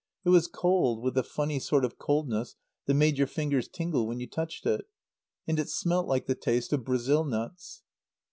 It was cold, with a funny sort of coldness that made your fingers tingle when you touched it; and it smelt like the taste of Brazil nuts.